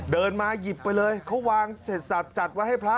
เดินมาหยิบไปเลยเขาวางเสร็จสับจัดไว้ให้พระ